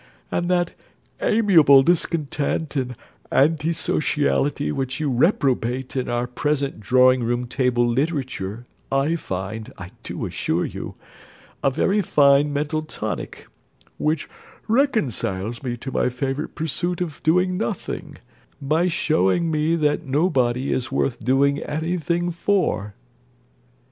And that amiable discontent and antisociality which you reprobate in our present drawing room table literature, I find, I do assure you, a very fine mental tonic, which reconciles me to my favourite pursuit of doing nothing, by showing me that nobody is worth doing any thing for.